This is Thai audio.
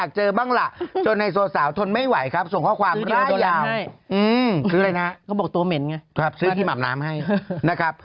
ครับซื้อที่หมับน้ำให้นะครับ